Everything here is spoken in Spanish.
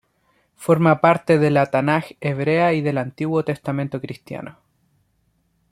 Forma parte de la "Tanaj" hebrea y del Antiguo Testamento cristiano.